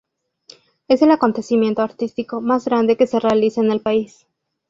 Es el acontecimiento artístico más grande que se realiza en el país.